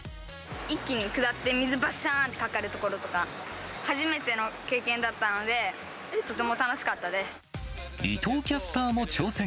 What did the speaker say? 一気に下って、水ばしゃーってかかるところとか、初めての経験だったので、とても伊藤キャスターも挑戦。